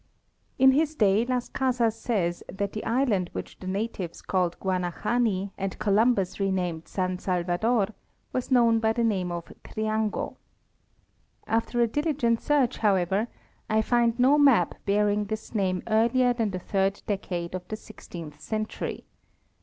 In his day, Las Casas says that the island which the natives called Guanahani and Columbus renamed San Salvador, was known by the name of Triango. After a diligent search, how ever, I find no map bearing this name earlier than the third decade of the sixteenth century.